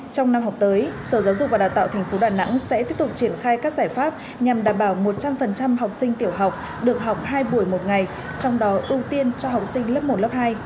trong năm học tới sở giáo dục và đào tạo tp đà nẵng sẽ tiếp tục triển khai các giải pháp nhằm đảm bảo một trăm linh học sinh tiểu học được học hai buổi một ngày trong đó ưu tiên cho học sinh lớp một lớp hai